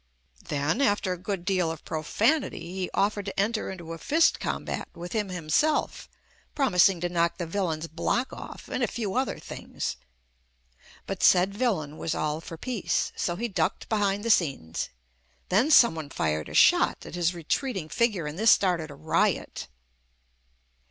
Then, after a good deal of profanity, he of fered to enter into a fist combat with him him self, promising to knock the villain's block off and a few other things. But said villain was all for peace, so he ducked behind the scenes. Then some one fired a shot at his retreating figure and this started a riot.